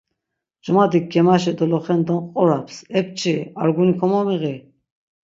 Cumadik gemaşi doloxendon quraps; “Epçi arguni komomiği’.